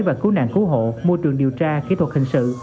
và cứu nạn cứu hộ môi trường điều tra kỹ thuật hình sự